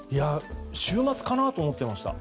週末かなと思っていました。